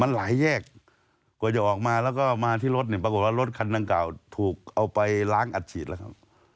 มันหลายแยกกว่าจะออกมาแล้วก็มาที่รถเนี่ยปรากฏว่ารถคันดังกล่าวถูกเอาไปล้างอัดฉีดแล้วครับ